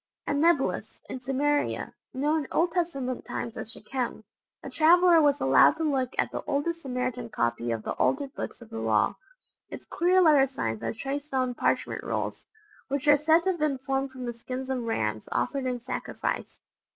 At Nablous, in Samaria, known in Old Testament times as Shechem, a traveller was allowed to look at the oldest Samaritan copy of the altered books of the Law. Its queer letter signs are traced on parchment rolls, which are said to have been formed from the skins of rams offered in sacrifice.